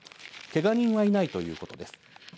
けが人はいないということです。